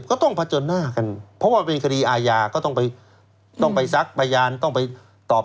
ก็ต้องผจญหน้ากันเพราะว่าเป็นคดีอาญาก็ต้องไปต้องไปซักพยานต้องไปตอบ